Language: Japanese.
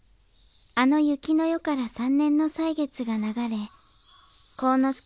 あの雪の夜から３年の歳月が流れ晃之